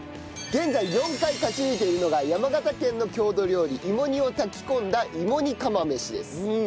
現在４回勝ち抜いているのが山形県の郷土料理芋煮を炊き込んだ芋煮釜飯です。